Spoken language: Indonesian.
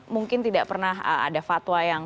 mungkin tidak pernah ada fatwa yang